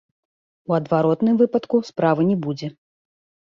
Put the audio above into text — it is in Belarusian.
У адваротным выпадку справы не будзе.